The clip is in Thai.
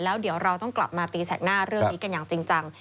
แล้วเดี๋ยวเราต้องกลับมาตีแสกหน้าเรื่องนี้กันอย่างจริงจัง